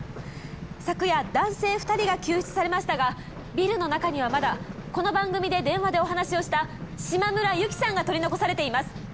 昨夜男性２人が救出されましたがビルの中にはまだこの番組で電話でお話をした島村由希さんが取り残されています。